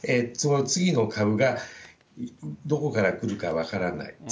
その次の株が、どこから来るか分からない。